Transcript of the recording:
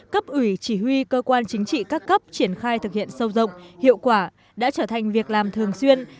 cấp ủy chỉ huy cơ quan chính trị các cấp triển khai thực hiện sâu rộng hiệu quả đã trở thành việc làm thường xuyên